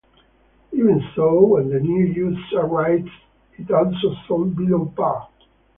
Even so, when the new issue arrived it also sold below par.